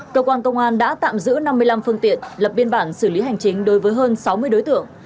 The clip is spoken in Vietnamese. cơ quan công an đã tạm giữ năm mươi năm phương tiện lập biên bản xử lý hành chính đối với hơn sáu mươi đối tượng